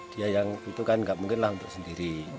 dia yang itu kan nggak mungkinlah untuk sendiri